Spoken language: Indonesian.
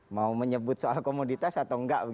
mau menyebut soal komoditas atau enggak